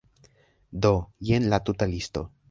Do, jen la tuta listo.